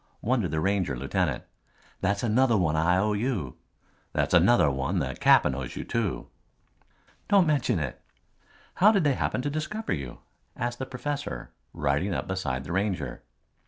wondered the Ranger lieutenant. "That's another one I owe you. That's another one the Cap'n owes you too." "Don't mention it." "How did they happen to discover you?" asked the professor riding up beside the Ranger.